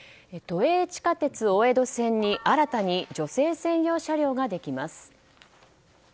都営地下鉄大江戸線に、新たに女性専用車両ができます。